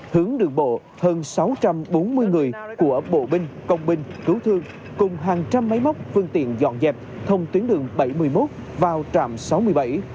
hướng đường bộ hơn sáu trăm bốn mươi người của bộ binh công binh cứu thương cùng hàng trăm máy móc phương tiện dọn dẹp thông tuyến đường bảy mươi một vào trạm sáu mươi bảy